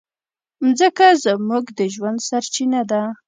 مځکه زموږ د ژوند سرچینه ده.